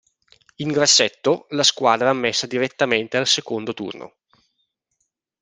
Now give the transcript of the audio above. In grassetto la squadra ammessa direttamente al secondo turno.